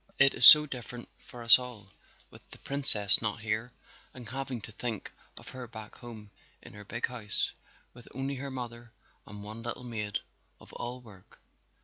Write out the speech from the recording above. It is so different for us all, with the Princess not here and having to think of her back home in their big house with only her mother and one little maid of all work.